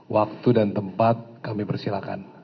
waktu dan tempat kami persilakan